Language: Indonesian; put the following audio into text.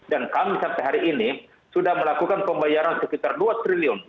dan kami sampai hari ini sudah melakukan pembayaran sekitar rp dua triliun